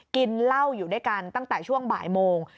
กินเหล้าอยู่ด้วยกันตั้งแต่ช่วงบ่ายโมง